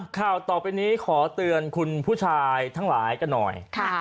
ข่าวต่อไปนี้ขอเตือนคุณผู้ชายทั้งหลายกันหน่อย